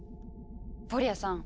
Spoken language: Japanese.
フォリアさん